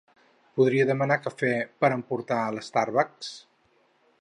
Podria demanar cafè per emportar a l'Starbucks?